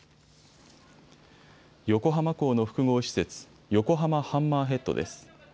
横浜港の複合施設、横浜ハンマーヘッドです。